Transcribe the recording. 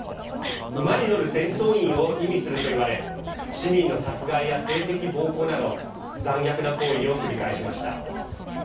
馬に乗る戦闘員を意味するといわれ市民の殺害や性的暴行など残虐な行為を繰り返しました。